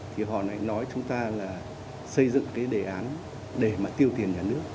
thì họ lại nói chúng ta là xây dựng cái đề án để mà tiêu tiền nhà nước